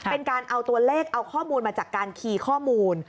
เป็นการเอาตัวเลขเอาข้อมูลมาจากการคีย์ข้อมูล